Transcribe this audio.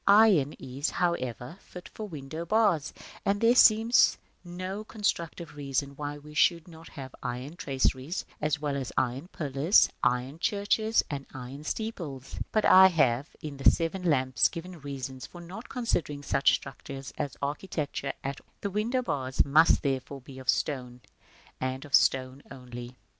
Iron is, however, fit for window bars, and there seems no constructive reason why we should not have iron traceries, as well as iron pillars, iron churches, and iron steeples. But I have, in the "Seven Lamps," given reasons for not considering such structures as architecture at all. The window bars must, therefore, be of stone, and of stone only. § V.